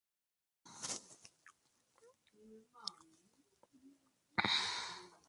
Es hijo del ex futbolista Fernando Alva.